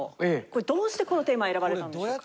これどうしてこのテーマ選ばれたんでしょうか？